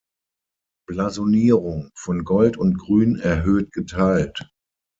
Blasonierung: „Von Gold und Grün erhöht geteilt.